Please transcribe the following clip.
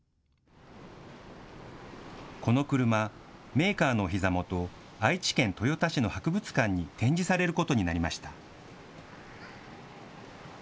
この車、メーカーのおひざ元、愛知県豊田市の博物館に展示されることになりました。